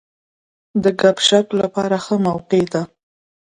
د ګپ شپ لپاره ښه موقع وه.